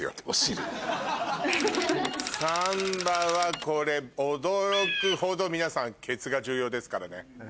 サンバはこれ驚くほど皆さんケツが重要ですからね。